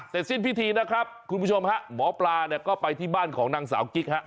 แต่สิ้นพิธีนะครับหมอปลาก็ไปที่บ้านของนางสาวกิ๊ก